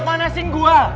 mana sih gua